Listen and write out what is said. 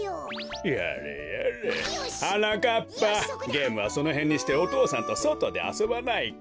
ゲームはそのへんにしてお父さんとそとであそばないか？